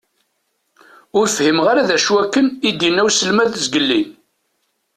Ur fhimeɣ ara d acu akken i d-inna uselmad zgelli.